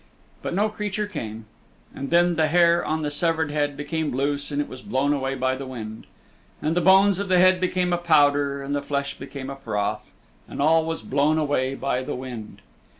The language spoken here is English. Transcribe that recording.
But no creature came. And then the hair on the severed head became loose and it was blown away by the wind. And the bones of the head became a powder and the flesh became a froth, and all was blown away by the wind.